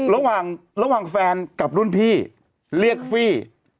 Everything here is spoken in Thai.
ระหว่างแฟนกับรุ่นพี่เรียกฟี่